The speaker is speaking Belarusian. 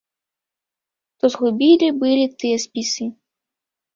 То згубілі былі тыя спісы.